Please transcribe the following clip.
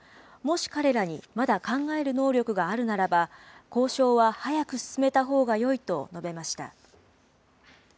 もし彼らにまだ考える能力があるならば、交渉は早く進めたほうがよいと述べました。